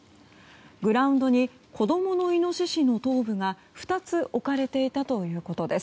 グラウンドに子供のイノシシの頭部が２つ置かれていたということです。